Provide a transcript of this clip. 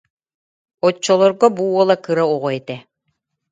Оччолорго бу уола кыра оҕо этэ